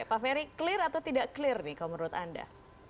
pak ferry clear atau tidak clear nih kalau menurut anda